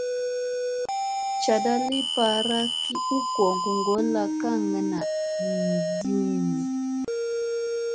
Caɗi li paara gi u goŋgi ŋgolla kaŋga naa hidiim.